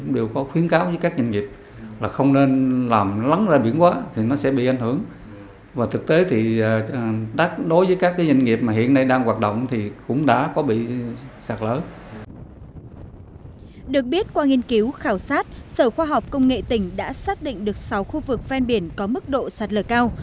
được biết qua nghiên cứu khảo sát sở khoa học công nghệ tỉnh đã xác định được sáu khu vực ven biển có mức độ sạt lở cao